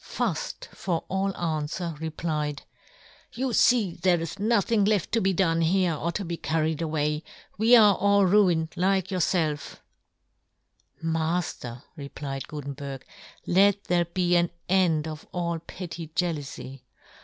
Fuft, for all anfwer, re plied, " You fee there is nothing * left to be done here, or to be car * ried away, we are all ruined like ' yourfelf "Mafter," replied Gutenberg, ' let there be an end of all petty ' jealoufy.